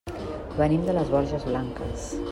Venim de les Borges Blanques.